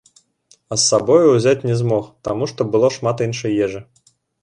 А з сабою ўзяць не змог, таму што было шмат іншай ежы.